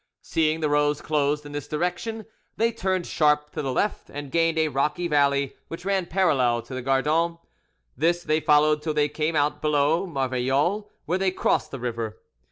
Seeing the road closed in this direction, they turned sharp to the left, and gained a rocky valley which ran parallel to the Gardon. This they followed till they came out below Marvejols, where they crossed the river.